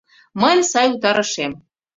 Мыйын сай утарышем